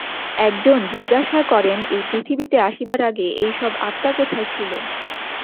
একজন জিজ্ঞাসা করেন, এই পৃথিবীতে আসিবার আগে এই সব আত্মা কোথায় ছিল।